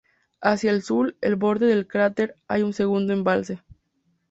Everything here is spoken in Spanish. Hacia el sur, en el borde del cráter hay un segundo embalse.